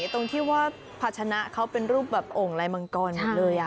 ตรงที่ว่าภาชนะเขาเป็นรูปแบบโอ่งลายมังกรหมดเลย